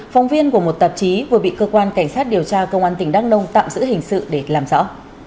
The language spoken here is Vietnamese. phòng viên của một tạp chí vừa bị cơ quan cảnh sát điều tra công an tỉnh đắk nông tạm giữ hình sự để làm rõ